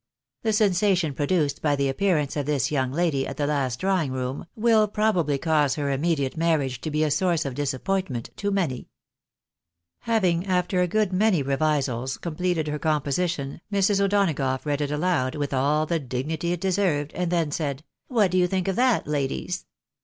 The sensation produced by the appearance of this young lady at the last drawing room, will probably cause her immediate mar riage to be a source of ri ^^rmointtngtit tu uiiuc" PATTY'S PATERNAL VALUATION. § Having, after a good many revisals, completed her composition, Mrs. O'Donagough read it aloud, with all the dignity it deserved ,, and then said —" What do you think of that, ladies?"